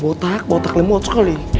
botak botak lemot sekali